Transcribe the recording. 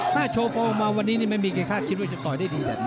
แม่โชโฟลมาวันนี้แม่งมีใครคาดคิดว่าจะต่อยไปดีแบบนี้